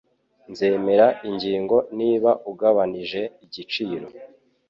Nzemera ingingo niba ugabanije igiciro.